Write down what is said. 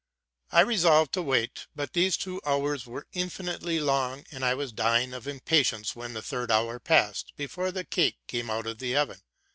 '"' I resolved to wait; but these two hours were infi nitely long, and I was dying with impatience when the third hour passed before the cake came out of the oven.